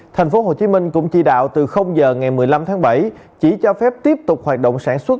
tp hcm cũng chỉ đạo từ giờ ngày một mươi năm tháng bảy chỉ cho phép tiếp tục hoạt động sản xuất